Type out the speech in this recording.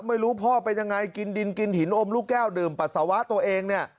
ไม่รู้พ่อเป็นยังไงกินดินกินหินอมลูกแก้วดื่มปัสสาวะตัวเองเนี่ย